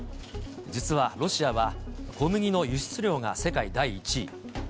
実はロシアは小麦の輸出量が世界第１位。